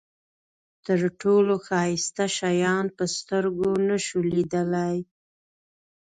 تر ټولو ښایسته شیان په سترګو نشو لیدلای.